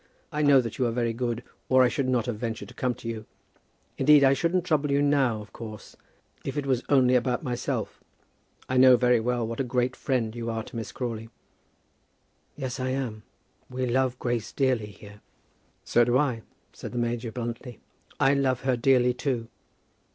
I know that you are very good, or I should not have ventured to come to you. Indeed I shouldn't trouble you now, of course, if it was only about myself. I know very well what a great friend you are to Miss Crawley." "Yes, I am. We love Grace dearly here." "So do I," said the major, bluntly; "I love her dearly, too."